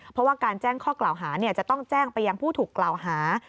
เพราะว่าการแจ้งข้อกล่าวหาจะต้องแจ้งไปยังผู้ถูกกล่าวหา